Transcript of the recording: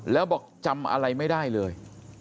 แล้วบอกจำอะไรไม่ได้เลย